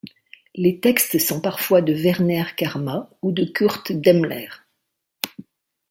Les textes sont parfois de Werner Karma ou de Kurt Demmler.